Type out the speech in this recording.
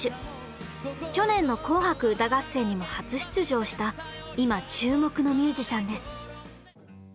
去年の「紅白歌合戦」にも初出場した今注目のミュージシャンです。